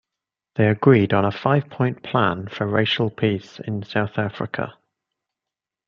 They agreed on a five-point plan for racial peace in South Africa.